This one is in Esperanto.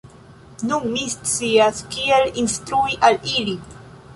Nun mi scias kiel instrui al ili!